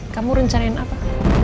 kamu rencanain apa